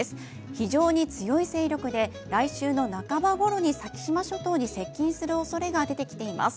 非常につよい勢力で来週の半ばごろに先島諸島に接近するおそれが出てきています。